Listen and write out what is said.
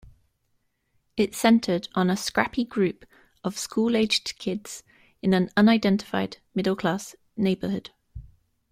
It centered on a scrappy group of school-aged kids in an unidentified, middle-class neighborhood.